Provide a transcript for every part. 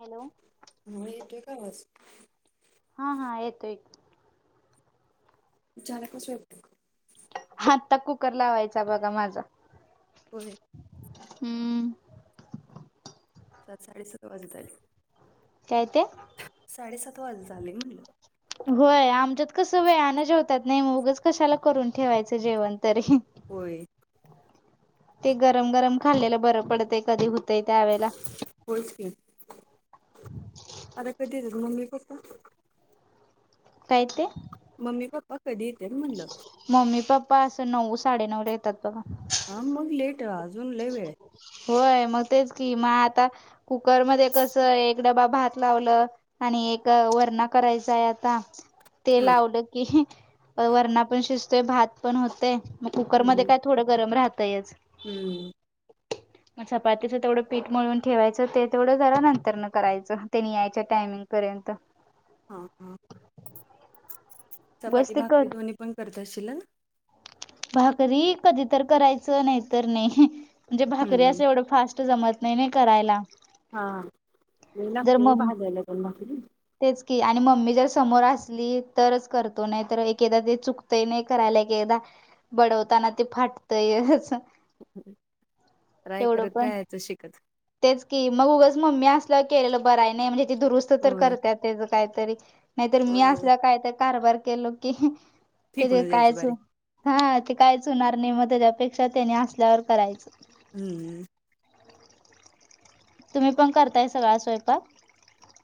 Hello. म हे ट कायवाच [unintelligible] हा, हा, येतो एक झाला का स्व [unintelligible] आत्ता कुकर लावायचा बघा माझा. होय.... हम्म. सात साडे सात वाजत आले. काय ते. साडेसात वाजत आले म्हणलं. होय, आमच्यात कस वेळानं जेवतात नाही उगाच कशाला करून ठेवायचं जेवण तरी. होय. ते गरम गरम खाल्लेला बरं पडतय, कधी होतय त्यावेळेला होच की, आता कधी येतात मम्मी पप्पा? काय ते? मम्मी पप्पा कधी येते म्हणलं. मम्मी पप्पा असं नऊ साडेनऊ येतात बघा. हा मग लेट आहे, अजून लय वेळ होय, मग तेच कि म आता कुकरमध्ये कस एक डबा भात लावलं, आणि एक वरणा करायचाय आता. ते हम्म लावलं की, वरणा पण शिजतोय भात पण होतय म कुकरमध्येध्ये हम्म. काय थोडं गरम राहतंयच. हम्म. चपातीचं तेवढं पीठ मिळून ठेवायचं, ते तेवढं जरा नंतर न करायचं ते न यायच्या टायमिंग पर्यंत. हा, हा बस चपाती, ते कर भाकरी, दोन्ही पण करत असशल? भाकरी कधी तर करायचं, नाहीतर नाही म्हणजे भाकरी हम्म. असं एवढं फास्ट जमत नाही नाही करायला. हा, लय जर लागते मम्मी भाजायला पण भाकरी. तेच की, आणि मम्मी जर समोर असली तरच करतो नाही तर एकेदा ते चुक नाही करायला क एकदा बडवताना ते फाटतयच. ट्राय करत राहायचं शिकत तेच की, मग उगच मम्मी असलं केलेलं बराय नाही म्हणजे ती दुरुस्त तर होय. करतात. त्याच काहीतरी नाहीतर मी होय होय. असल्या कायतरी कारभार केलो की तिथे फेकूनच द्यायची कायच, बारी हा ते कायच होणार नाही मग त्याच्यापेक्षा त्यानी असल्यावर करायचं. हम्म. तुम्ही पण करताय सगळा स्वयंपाक?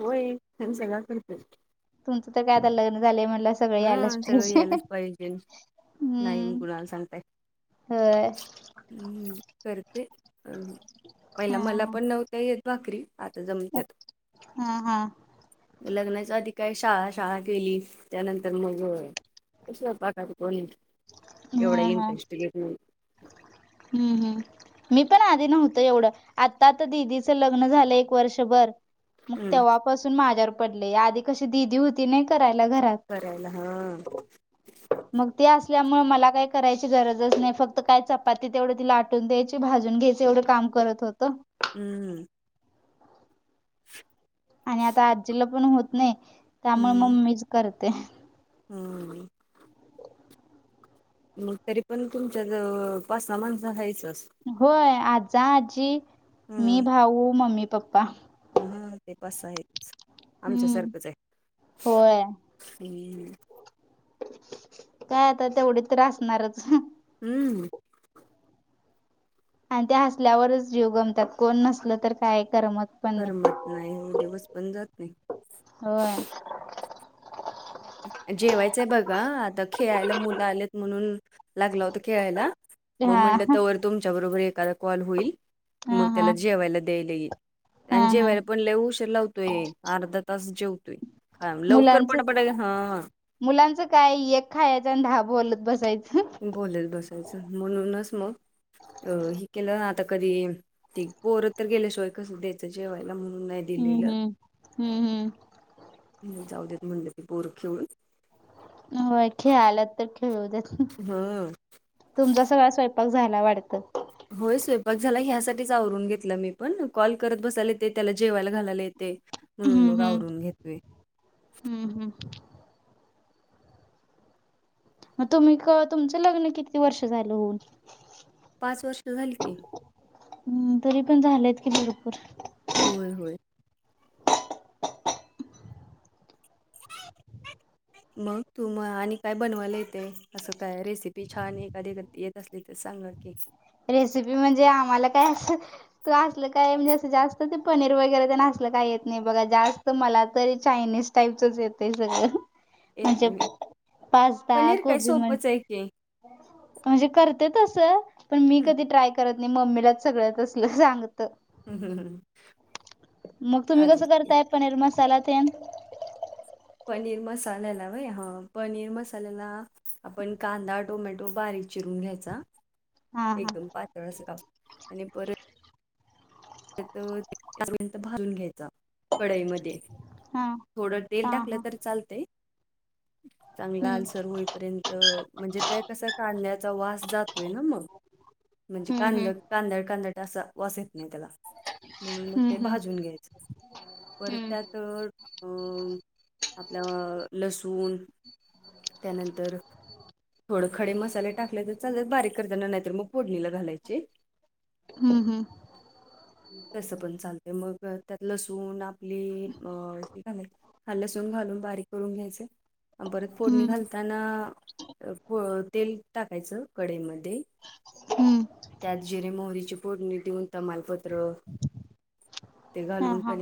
होय, आणि सगळं करतोय. तुमचं तर काय आता लग्न झालंय म्हटलं सगळ आलंच हा सगळं पाहिजे. यायलाच पाहिजे. नाही मी हम्म कुणाला होय. ह् करते, पहिला मला हा पण नव्हता येत भाकरी आता जमत हा हा हा [inaudible] लग्नाच्या आधी काय शाळा शाळा केेली त्यानंतर मग क पाकार कोणी हा एवढा हा इंटरेस्ट घेत हम्म हम्म मी पण आधी नव्हत एवढं आता आता दिदीचं लग्न झालं एक वर्षभर मग हम्म, तेव्हापासून माझ्यावर पडले, आधी कशी दिीदी होती नाही करायला घरात. करायला, हा मग ते असल्यामुळे मला काही करायची गरजच नाही फक्त कायच चपाती तेवढं ति लाटून द्यायची, भाजून घ्यायच एवढं काम करत होतं. हम्म आणि आता आजीला पण होत नाही त्यामुळे हम्म मम ममीच करते हम्म तरी पण तुमच्या ज पाच स माणसं घ्यायच असतं होय आजा आजी मी हम्म भाऊ मम्मी पप्पा हा ते पास आहे हम्म आमच्यासारखंच आहे होय हम्म काय आता तेवढी त्रासणारच हम्म आणि ते हसल्यावरच जीव गमतात कोण नसल तर काय करमत पण नाही करमत नाही दिवस पण जात नाही होय जेवायचंय बघा आता खेळायला मुलं आलेत म्हणून लागला होत खेळायला मग हा म्हंटलं तर वर तुमच्या बरोबर एखादा कॉल होईल हा मग हा त्याला जेवायला द्यायलाल हा आणि हा जेवायला पण ललेहू श लावतोय अर्धा तास जेवतोय खा लवकर मुलांच पटापटा हां मुलांचं काय एक खायच आणि दहा बोलत बसायचं बोलेल बसायचं म्हणूनच मग अ हि केलं ना आता कधी त पोर तर गेल्या सोय कस जेवायला म्हणून नाही हम्म दिलेलं हम्म हम्म जाऊ देत म्हणलं ती बोरं खेळून होय खेळालात तर खेळू देत नाही हा तुमचा सगळा स्वयंपाक झायला वाटतं होय स्वयंपाक झाला ह्यासाठीच आवरून घेतलं मी पण कॉल करत बसायला येते त्याला जेवायला घालायला येते म्हणून हम्म मग हम्म आवरून घेतवे हम्म हम्म मग तुम्ही तुमचं लग्न किती वर्ष झाल होन पाच वर्ष झाली काी हम् तरी पण झालंय की भरपूर होय होय [inaudible] मग तू मग आणि काय बनवायला येते असं काय रेसिपी छान एखादी एख येत असली तर सांगा की रेसिपी म्हणजे आम्हाला काय अस त असलं काय म्हणजे असं जास्त ते पनीर वगैरे ते नासलं काय येत नाही बघा जास्त तर मला तरी चायनीज टाईपचच येते सगळं म्हणजे येते मी पास्ता पनीर काय गोबी म्ह सोपंच आहे की म्हणजे करते तस पण मी हं, कधी ट्राय करत मम्मीलाच सगळ्यात असलं सांगत हम्म हम् हम् मग तुम्ही कसं काजय करताय पनीर मसाला ते पनीर मसाल्याला भाई हा पनीर मसाल्याला आपण कांदा टोमॅटो बारीक ून घ्या हा हा. एक प पर त्यापंत भालून घ्यायचा कढाईमध्ये हा थोडं तेल हा टाकलं हा तर चालत चांगला हम्म आल्सर होईपर्यंत म्हणजे त्या कसा काढण्याचा वास जात. तोय ना मग म्हणजे हम्म कांद हम्म कांदड कांदळ अस वाचेत नाही त्याला मगून मग ते हम्म भाजून घ्यायचं परत हम्म हम्म त्यात अ आपलं लसूण त्यानंतर थोड खडे मसाले टाकले तर चालत बारीक करताना नाहीतर मग पोडणीला घालायचे. हम् हम. तसं पण चालते मग त्यात लसून आपली अ. हा लसूण घालून बारीक करून घ्यायचे परत फोडणी हम्म घालताना तेल टाकायचं कढमध्ये हम्म त्यात जिरे मोरीचेची पोडणी देऊन तमालपत ते हा घालून हा त्या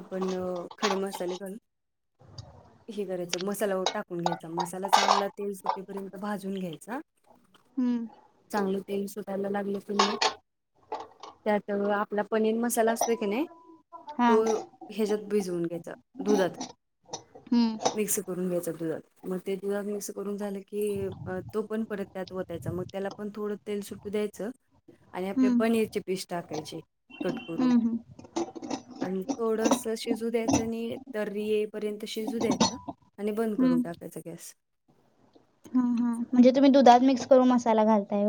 आपण खडे मसाले घालून. हे करायचं मसाला टाकून घ्यायचा मसाला चांगला तेल सुटेपर्यंत भाजून घ्यायचा. हम्म. चांगले तेल सुोधायला लागले पि म त्याच आपला पनीर मसाला असतोय की नाही. हा तो ह्याच्यात भिजवून घ्यायचा दुधात हम्म मिक्स करून घ्याचातलं जात. मग ते जुध मिक्स करून झालं की तो पण परत त्यात वतायचा मग त्याला पण थोडं. तेल सुटू द्यायचं आणि आपले हम्म पनीरचे पीस टाकायचे कट करून हम्म हम्म आणि थोडस शिजू द्यायचं नाही द येपर्यंत शिजू द्यायचं. आणि बंद करून हम्म टाकायचा गॅस. हा हा म्हणजे तुम्ही दुधात मिकस करून मसाला घालताय.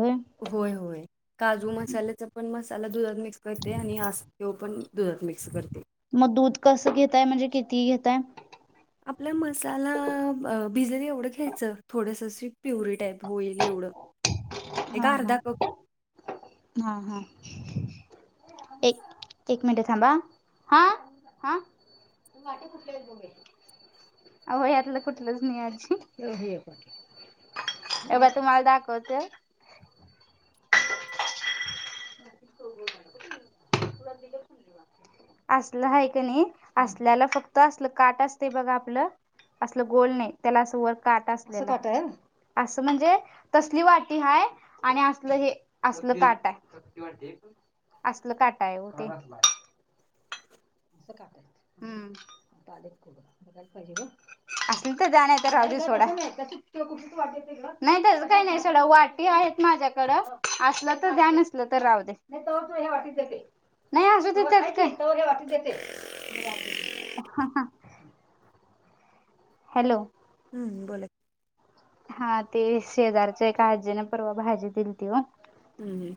होय होय. काजू मसाल्याचा पण मसाला दुधात मिक्स करते आणि आस् तेव पण दुधात मिक्स करते. मग दूध कसं घेतताय म्हणजे किती घेतय. आपल्या मसाला भिजल एवढं घ्यायचं थोडस प्युरी टाईप होईल एवढं. ह. ते घरदा को हा हां. एक एक मिनटे थांबा हा हा. वाटे फुठले बोे अ यातलं कुठलंच नाही आजी एव तुम्हाला दाखवते. असलं ह का नाही असल्याला फक्त असल काट असते बघा आपलं. अस गोल नाही त्याला असं वर काट असत. असं म्हणजे तसली वाटी हाय आणि असलं हे असलं ताट आहे. असल काटा आहे हो ते कायेत आले कुडं बघायला पाहिजे ग. असल तर जाण तर राजू सोडा. नाही तरच काही नाही सड वाट आहेत माझ्याकडं असलं तर ध्यान असलं तर राह दे. नाही तर तू हे वाटच काही नाही अस तथ काही े वाटत येते. हॅलो. हम्म बो. हा ते शेजारच्या एका आजीने परवा भाजी दिली त व हम् हम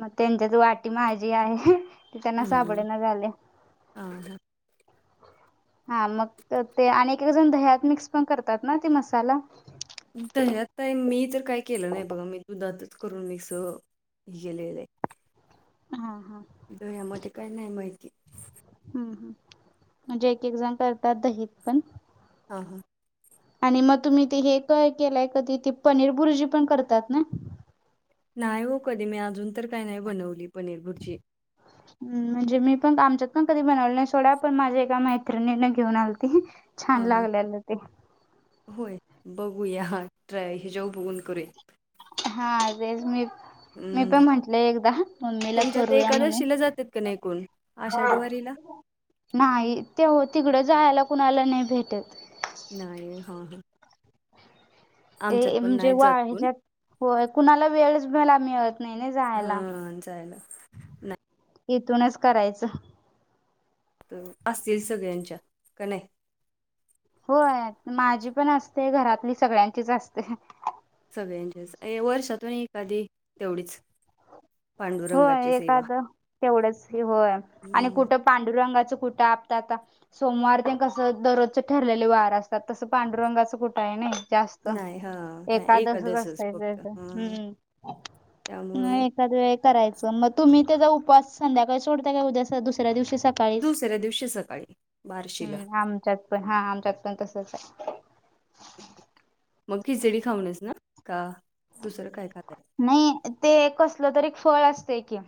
मग त्यांच्यात वाटी माझी आहे ती त्यांना साबळेना झाले. ह. हा मग ते आणि एक जण दह्यात मिक्स पण करतात ना ते मसाला दयात मी तर काय केलं नाही बघा मी दुधातच करून मिक्स केलेलं आहे हा हा. धयामध्ये काय नाय माहिती हम् हम म्हणजे एक एकजण करतात दहीत पण हा हां आणि मग तुम्ही ते हे काय केलंय कधी त पनीर बुरजी पण करतात ना नाही हो कधी मी अजून तर काही नाही बनवली पनीर भुरजी [inaudible] म्हणजे मी पण आमच्यात पण कधी बनवलं नाही सोडा पण माझ्या एका मैत्रिणीन घेऊन आलती छान हा हा. लागल्यालं ते होय बघूया ट्रा हिच्याेऊ बघून करूया हां रेलमी हम्म तुमच्यात करूया म्हणून. एकादशिला जातात का नाही कोण आषाढीवारीला नाही तेव तिकडं जायला कुणाला नाय भेटत नाही हा हा आमच्यात ते पण म्हणजे नाही वा जात कोण ह्याच्यात होय कुणाला वेळच मिळणार नाय नाही नाही हा जायला जायला नाही इथूनच करायचं तर असतील सगळ्यांच्या कनाय होय माझी पण असते घरातली सगळ्यांचीच असते सगळ्यांच्याच ए वर्षातून एखादी तेवढीच पांडुरंगाची होय सेवा एखादं तेवढंच होय आणि हम्म. कुठं पांडुरंगाचं कुठं आप्त आता सोमवार तेन कसं दररोजचे ठरलेले वार असतात तसं पांडुरंगाच कुठंय नाय जास्त नाही हां, नाही एकादसच असायच फक्त याच हां, हम् त्यामुळं मग नाही सगळे करायं मग तुम्ही त्याचा उपवास संध्याकाळी सोडता काय उद्या स दुसऱ्या दिवशी स काळीच दुसऱ्या दिवशी सकाळी बार्शीला हम्म आमच्यात पण हा आमच्यात पण तसच आहे मग खिचडी खाऊनच ना का दुसरं काय खाताय नाही ते कसलं तरी एक फळ असत की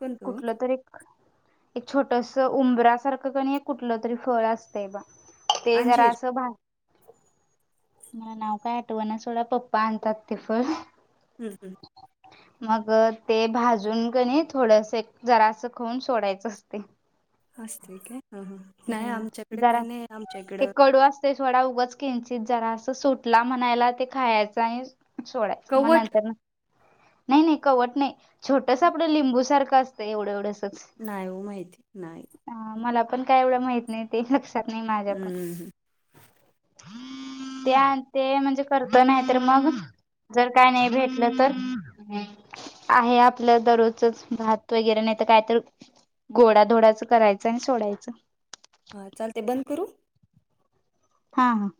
कोणतं ओ? कुठलं तरी एक छोटस उंबरा सारखं कणी कुठलं तरी फळ असतंय बा ते जरा अंजीर असं भां मला नाव काय आठवण सोडा पप्पा आणतात ते फळ हम् हम् मग ते भाजून कणय थोडंस एक जरासं खाऊन सोडायचं असतय असाते काय हं नाही हम्म आमच्याकडे जरा काही नाही आमच्या इकडे ते थोडा उगच किंचित जरासं सुटला म्हणायला ते खायचा आणि स सोळडायच कवट मनंतर नाही नाही कवट नाही छोटस आपलं लिंबू सारखं असतं एवढं एवढंसच नाही ओ माहिती नाही ह मला पण काय एवढं माहित नाही ते लक्षात नाही माझ्या पण हं, हं ते ते म्हणजे करत नाही तर मग जर काय नाही भेटलं तर आहे आपलं दररोजच भात वगैरे नाही तर काय तर गोडा धोडाचं करायचं आणि सोडायचं हा चालते बंद करू हा हा